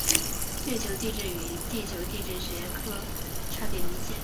月球地质与地球地质学差别明显。